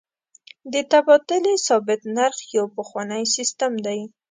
د تبادلې ثابت نرخ یو پخوانی سیستم دی.